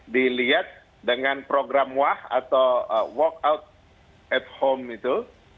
dilihat dengan program wah atau walkout at home itu